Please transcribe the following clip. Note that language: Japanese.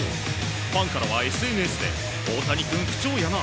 ファンからはＳＮＳで大谷君、不調やな。